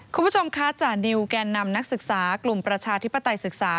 คุณผู้ชมคะจ่าดิวแกนนำนักศึกษากลุ่มประชาธิปไตยศึกษา